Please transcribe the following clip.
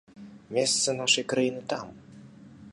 Месца нашай краіны там.